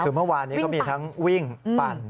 คือเมื่อวานนี้เขามีทั้งวิ่งปั่น